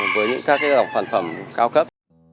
với những các loại sản phẩm cao cấp